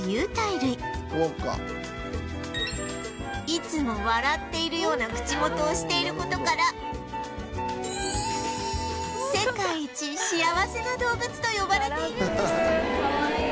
いつも笑っているような口元をしている事から世界一幸せな動物と呼ばれているんです